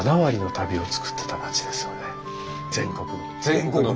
全国の。